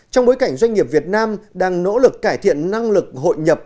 trong bối cảnh doanh nghiệp việt nam đang nỗ lực cải thiện năng lực hội nhập